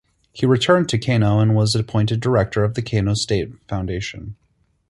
He returned to Kano and was appointed Director of the Kano State Foundation.